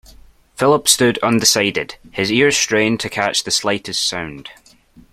Philip stood undecided, his ears strained to catch the slightest sound.